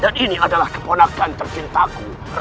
dan ini adalah keponakan tercintaku